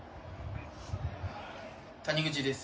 谷口です。